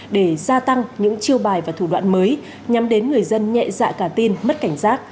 để gia tăng những chiêu bài và thủ đoạn mới nhắm đến người dân nhẹ dạ cả tin mất cảnh giác